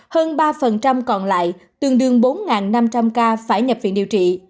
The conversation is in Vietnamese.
hơn ba còn lại tương đương bốn năm trăm linh ca phải nhập viện điều trị